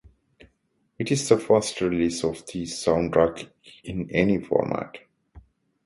It is the first release of the soundtrack in any format.